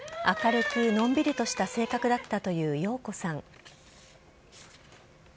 明るくのんびりとした性格だったという耀子さん。